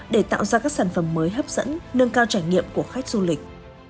để tạo ra các sản phẩm mới hấp dẫn nâng cao trải nghiệm của khách du lịch